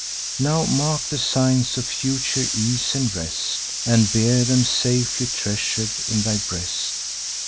Now mark the signs of future ease and rest, And bear them safely treasur'd in thy breast.